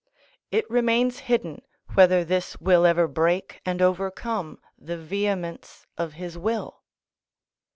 It remains hidden whether this will ever break and overcome the vehemence of his will.